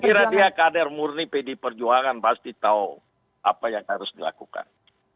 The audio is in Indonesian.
dan saya kira dia kader murni pdi perjuangan pasti tahu apa yang harus dilakukan